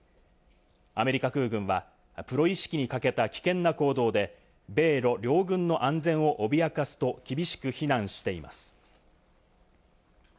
アメリカ空軍はプロ意識に欠けた危険な行動で、米ロ両軍の安全を脅かすと厳しく非難しています。